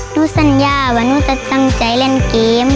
ดูสัญญาว่าหนูจะตั้งใจเล่นเกม